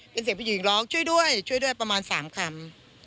เป็นเสียงผู้หญิงร้องช่วยด้วยช่วยด้วยประมาณ๓คำ